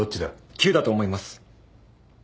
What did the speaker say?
９だと思います。